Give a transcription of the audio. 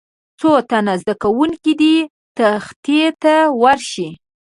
څو تنه زده کوونکي دې تختې ته ورشي.